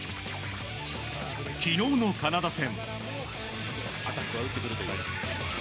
昨日のカナダ戦。